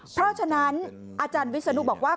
เพราะฉะนั้นอาจารย์วิศนุบอกว่า